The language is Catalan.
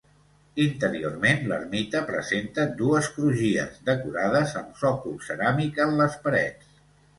Interiorment l'ermita presenta dues crugies, decorades amb sòcol ceràmic en les parets.